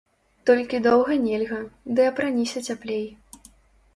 Толькі доўга нельга, ды апраніся цяплей.